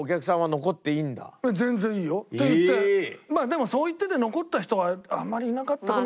まあでもそう言ってて残った人はあんまりいなかったかも。